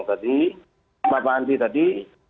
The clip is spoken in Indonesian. tadi pak bambang andi tadi